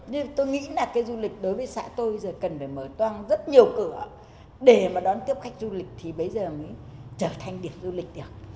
nhưng tôi nghĩ là cái du lịch đối với xã tôi giờ cần phải mở toan rất nhiều cửa để mà đón tiếp khách du lịch thì bây giờ mới trở thành điểm du lịch được